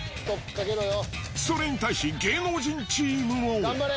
それに対し、芸能人チームも。